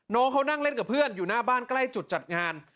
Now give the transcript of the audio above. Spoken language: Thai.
น้องเขานั่งเล่นกับเพื่อนอยู่หน้าบ้านใกล้จุดจัดงาน